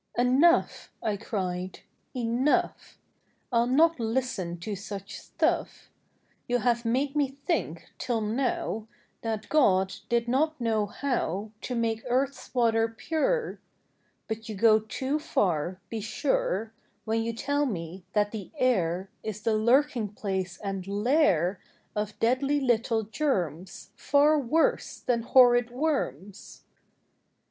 "" Enough," I cried, " enough ! I'll not listen to such stuff! You have made me think, till now, That God did not know how To make earth's water pure; But you go too far, be sure, When you tell me that the air Is the lurking place and lair Of deadly little germs, Far worse than horrid worms.